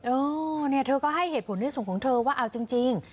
เออเนี่ยเธอก็ให้เหตุผลในส่วนของเธอว่าเอาจริง